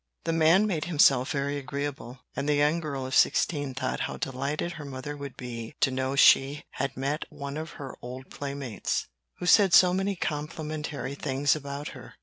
The man made himself very agreeable; and the young girl of sixteen thought how delighted her mother would be to know she had met one of her old playmates, who said so many complimentary things about her.